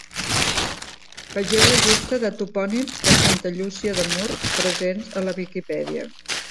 Vegeu la llista dels Topònims de Santa Llúcia de Mur presents a la Viquipèdia.